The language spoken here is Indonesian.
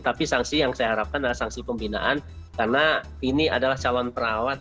tapi sanksi yang saya harapkan adalah sanksi pembinaan karena ini adalah calon perawat